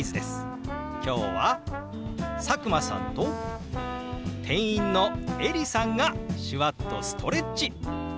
今日は佐久間さんと店員のエリさんが手話っとストレッチ！